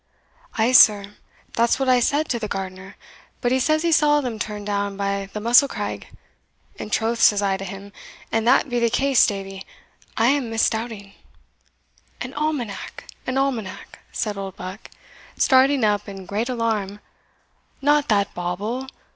"Ou, sir, that's what I said to the gardener; but he says he saw them turn down by the Mussel craig. In troth, says I to him, an that be the case, Davie, I am misdoubting" "An almanac! an almanac!" said Oldbuck, starting up in great alarm "not that bauble!"